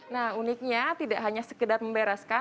nah uniknya tidak hanya sekedar membereskan